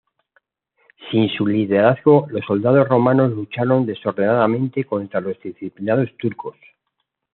Sin su liderazgo, los soldados romanos lucharon desordenadamente contra los disciplinados turcos.